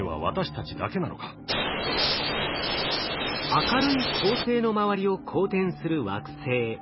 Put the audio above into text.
明るい恒星の周りを公転する惑星。